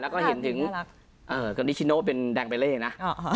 ก็นิชโนเป็นแดงเบเล่นะ